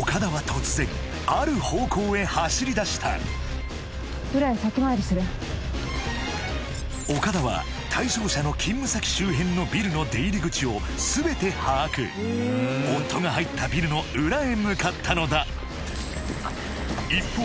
岡田は突然ある方向へ走りだした岡田は対象者の勤務先周辺のビルの出入り口を全て把握夫が入ったビルの裏へ向かったのだ一方